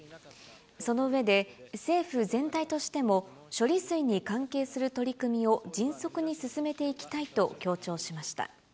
その上で、政府全体としても、処理水に関係する取り組みを迅速に進めていきたいと強調しました。